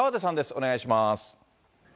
お願いします。